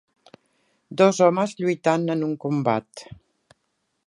Dos homes lluitant en un combat.